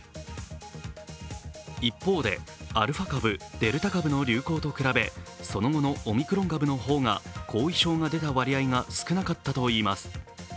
一方で、アルファ株・デルタ株の流行と比べその後のオミクロン株の方が後遺症が出た割合が少なかったといいます。